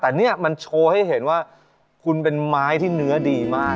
แต่เนี่ยมันโชว์ให้เห็นว่าคุณเป็นไม้ที่เนื้อดีมาก